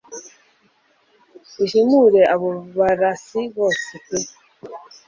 uhimure abo barasi bose pe